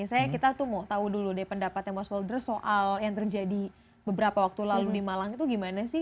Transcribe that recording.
saya kita tuh mau tahu dulu deh pendapatnya mas weldres soal yang terjadi beberapa waktu lalu di malang itu gimana sih